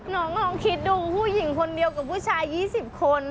น้องลองคิดดูผู้หญิงคนเดียวกับผู้ชาย๒๐คน